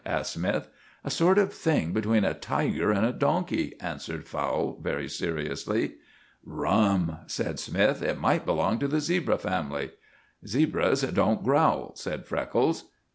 asked Smythe. "A sort of thing between a tiger and a donkey," answered Fowle very seriously. "Rum," said Smythe. "It might belong to the zebra family." "Zebras don't growl," said Freckles.